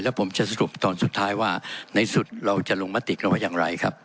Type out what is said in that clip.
แล้วผมจะสรุปตอนสุดท้ายว่าในสุดเราจะลงมติกันว่าอย่างไรครับ